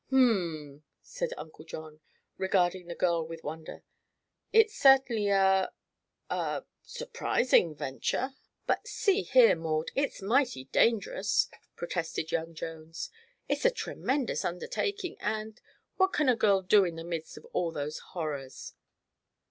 "H m," said Uncle John, regarding the girl with wonder. "It is certainly a a surprising venture." "But see here, Maud it's mighty dangerous," protested young Jones. "It's a tremendous undertaking, and what can one girl do in the midst of all those horrors?"